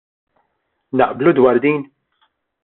Naqblu dwar din?